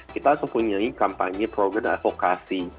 kita mempunyai kampanye program advokasi